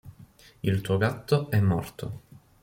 Il tuo gatto è morto!